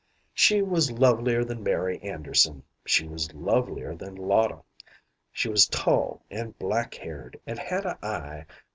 "She was lovelier than Mary Anderson; she was lovelier than Lotta. She was tall, an' black haired, and had a eye